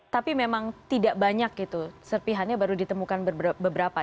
tapi memang tidak banyak itu serpihannya baru ditemukan beberapa